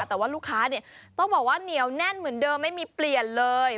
แต่ว่าลูกค้าเนี่ยต้องบอกว่าเหนียวแน่นเหมือนเดิมไม่มีเปลี่ยนเลย